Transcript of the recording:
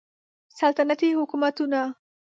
سلطنتي حکومتونه